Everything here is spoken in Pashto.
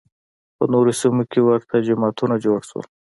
په نورو سیمو کې ورته جماعتونه جوړ شول